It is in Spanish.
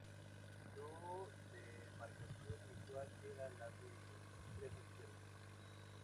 Su demarcación habitual era la de extremo izquierdo.